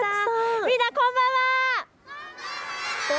みんな、こんばんは。